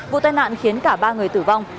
vụ tai nạn khiến cả ba người tử vong